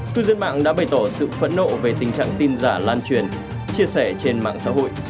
cư dân mạng đã bày tỏ sự phẫn nộ về tình trạng tin giả lan truyền chia sẻ trên mạng xã hội